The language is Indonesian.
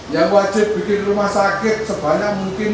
yang wajib bikin rumah sakit sebanyak mungkin